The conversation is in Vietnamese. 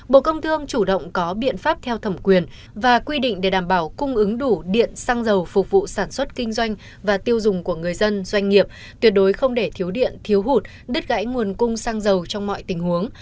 bộ công thương chủ động có biện pháp theo thẩm quyền và quy định để đảm bảo cung ứng đủ điện xăng dầu phục vụ sản xuất kinh doanh và tiêu dùng của người dân doanh nghiệp tuyệt đối không để thiếu điện thiếu hụt đứt gãy nguồn cung xăng dầu trong mọi tình huống